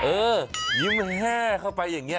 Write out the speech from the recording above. เออยิ้มแห้เข้าไปอย่างนี้